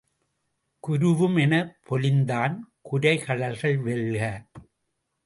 குருவுமெனப் பொலிந்தான் குரைகழல்கள் வெல்க!